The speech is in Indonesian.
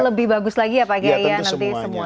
lebih bagus lagi ya pak gaya